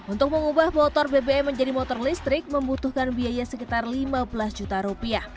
untuk mengubah motor bbm menjadi motor listrik membutuhkan biaya sekitar lima belas juta rupiah